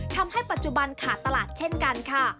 ทำให้ปัจจุบันขาดตลาดเช่นกันค่ะ